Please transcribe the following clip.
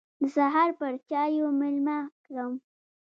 د سهار پر چايو مېلمه کړم.